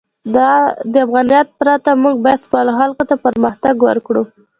د افغانیت پرته، موږ باید خپلو خلکو ته پرمختګ ورکړو.